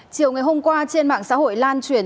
chiều ngày hôm qua trên mạng xã hội lan truyền